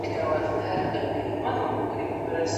هېره چي یې نه کې پر ګرېوان حماسه ولیکه